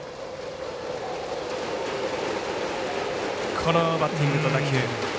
このバッティングと打球。